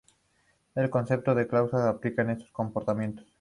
El concepto de clausura explica estos comportamientos.